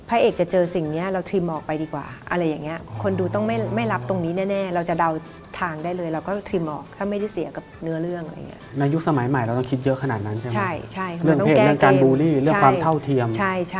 เรื่องเพลงเรื่องการบูรีเรื่องความเท่าเทียม